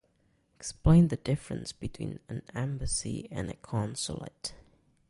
Explain the difference between an embassy and a consulate.